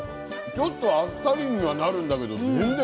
ちょっとあっさりにはなるんだけど全然この脂もおいしい。